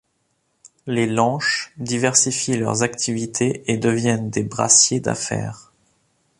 Les Lenche diversifient leurs activités et deviennent des brassiers d'affaires.